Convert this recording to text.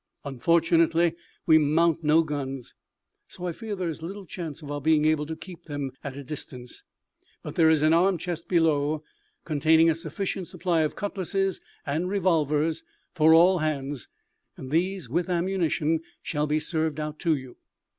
Unfortunately, we mount no guns, so I fear there is little chance of our being able to keep them at a distance; but there is an arm chest below containing a sufficient supply of cutlasses and revolvers for all hands, and these, with ammunition, shall be served out to you.